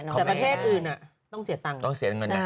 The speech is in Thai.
แต่ประเทศอื่นต้องเสียตังค์